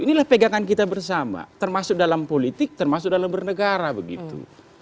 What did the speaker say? inilah pegangan kita bersama termasuk dalam politik termasuk dalam bernegara begitu